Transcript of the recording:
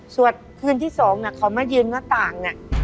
ส่วนคืนที่สองน่ะเขามายืนหน้าต่างน่ะ